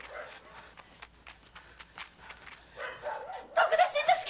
徳田新之助